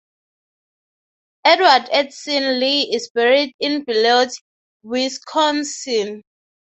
Edward Edson Lee is buried in Beloit, Wisconsin.